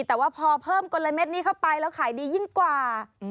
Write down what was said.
แต่ว่าพอเพิ่มกลมละเม็ดนี้เข้าไปแล้วขายดียิ่งกว่า